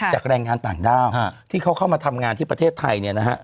จากแรงงานต่างด้าวที่เขาเข้ามาทำงานที่ประเทศไทย